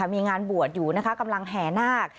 มีงานบวชอยู่กำลังแหอนาก